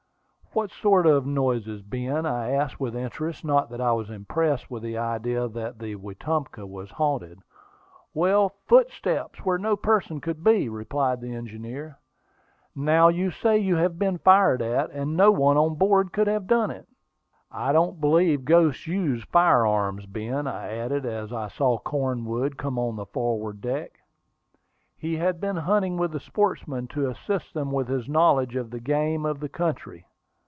"What sort of noises, Ben?" I asked with interest, not that I was impressed with the idea that the Wetumpka was haunted. "Well, footsteps where no person could be found," replied the engineer. "Now, you say you have been fired at, and no one on board could have done it." "I don't believe ghosts use fire arms, Ben," I added, as I saw Cornwood come on the forward deck. He had been hunting with the sportsmen, to assist them with his knowledge of the game of the country.